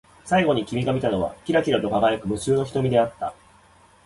最後に君が見たのは、きらきらと輝く無数の瞳であった。